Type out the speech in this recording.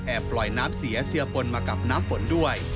ปล่อยน้ำเสียเชื่อปนมากับน้ำฝนด้วย